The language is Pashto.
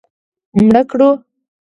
مړه کړه